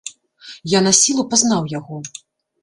Я насілу пазнаў яго.